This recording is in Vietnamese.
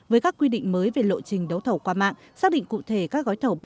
với các quy định mới về lộ trình đấu thầu qua mạng xác định cụ thể các gói thầu